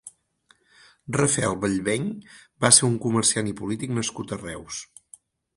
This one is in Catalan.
Rafael Bellveny va ser un comerciant i polític nascut a Reus.